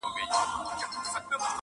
فقیران لکه سېلونه د کارګانو -